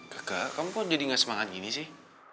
kakak kamu kok jadi gak semangat gini sih